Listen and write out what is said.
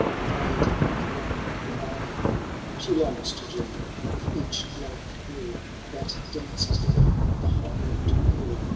The glade hath won her eye ; She longs to join with each blithe riU That dances down the Highland hill.